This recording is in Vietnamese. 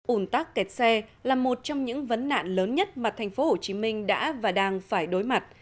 ún tắc kẹt xe là một trong những vấn nạn lớn nhất mà thành phố hồ chí minh đã và đang phải đối mặt